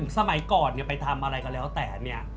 สมัยก่อนเนี่ยไปทำอะไรก็แล้วแต่เนี่ย